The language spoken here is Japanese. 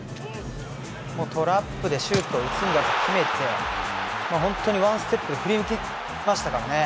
トラップでシュート打つんだと決めて本当に１ステップで振り抜きましたからね。